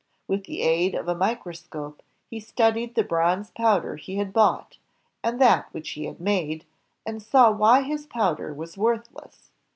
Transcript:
With the aid of a micro scope he studied the bronze powder he had bought, and that which he had made, and saw why his powder was worthless.